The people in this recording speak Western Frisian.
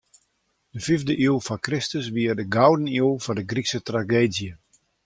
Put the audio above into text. De fiifde iuw foar Kristus wie de gouden iuw foar de Grykske trageedzje.